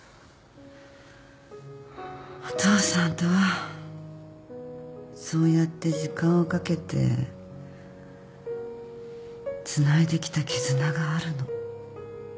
お父さんとはそうやって時間をかけてつないできた絆があるの。